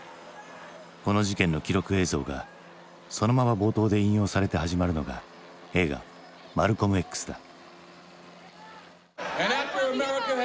この事件の記録映像がそのまま冒頭で引用されて始まるのが映画「マルコムＸ」だ。